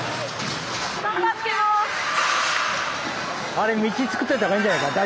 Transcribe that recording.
あれ道作っといたほうがいいんじゃないか。